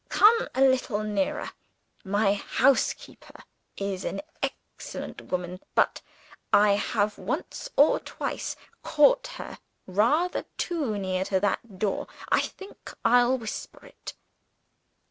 Come a little nearer. My housekeeper is an excellent woman, but I have once or twice caught her rather too near to that door. I think I'll whisper it."